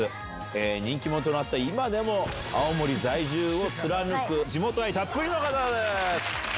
人気者となった今でも、青森在住を貫く地元愛たっぷりの方です。